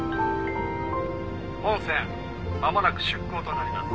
本船まもなく出航となります。